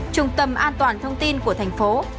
trung tâm an toàn thông tin của thành phố